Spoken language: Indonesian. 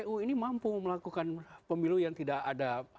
kpu ini mampu melakukan pemilu yang tidak ada